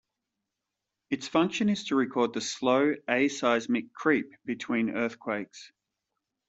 Its function is to record the slow, aseismic creep between earthquakes.